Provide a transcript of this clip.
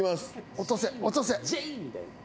落とせ落とせ。